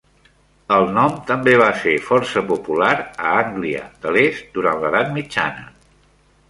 El nom també va ser força popular a Ànglia de l'Est durant l'edat mitjana.